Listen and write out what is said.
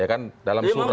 ya kan dalam surat